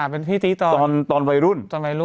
เป็นพี่ตี้ตอนวัยรุ่น